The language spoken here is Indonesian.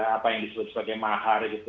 apa yang disebut sebagai mahar gitu